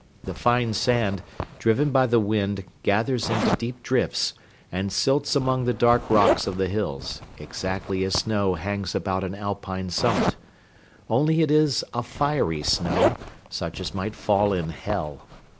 The fine sand, driven by the wind, gathers into deep drifts, and silts among the dark rocks of the hills, exactly as snow hangs about an Alpine summit; only it is a fiery snow, such as might fall in hell.